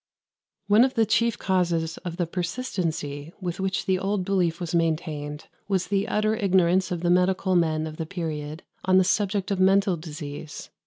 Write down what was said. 62. One of the chief causes of the persistency with which the old belief was maintained was the utter ignorance of the medical men of the period on the subject of mental disease.